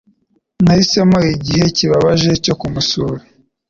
Nahisemo igihe kibabaje cyo kumusura.